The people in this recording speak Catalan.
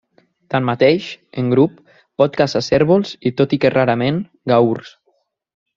Tanmateix, en grup, pot caçar cérvols i -tot i que rarament- gaurs.